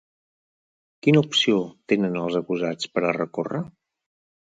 Quina opció tenen els acusats per a recórrer?